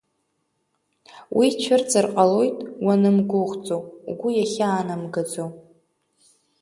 Уи цәырҵыр ҟалоит уанымгәыӷӡо, угәы иахьаанамгаӡо.